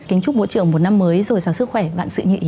kính chúc bộ trưởng một năm mới rồi sáng sức khỏe và sự nhị ý